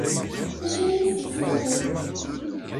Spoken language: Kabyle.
Acu n yiselsa-nni!